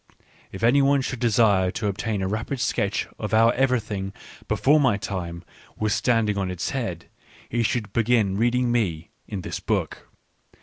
If any one should desire to obtain a rapid sketch of how everything, before my time, was standing on its head, he should begin reading me in this book.